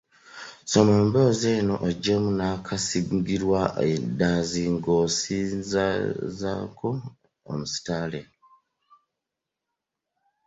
Soma emboozi eno oggyemu nnakasigirwa endazi ng’ozisazaako omusittale.